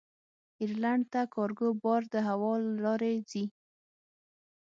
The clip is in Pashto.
ایرلنډ ته کارګو بار د هوا له لارې ځي.